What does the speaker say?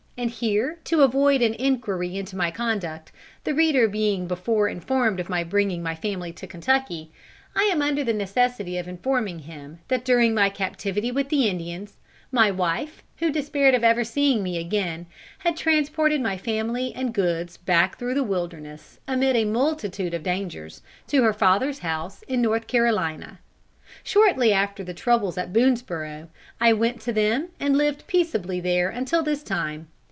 And here, to avoid an enquiry into my conduct, the reader being before informed of my bringing my family to Kentucky, I am under the necessity of informing him that during my captivity with the Indians, my wife, who despaired of ever seeing me again, had transported my family and goods back through the wilderness, amid a multitude of dangers, to her father's house in North Carolina. Shortly after the troubles at Boonesborough, I went to them and lived peaceably there until this time.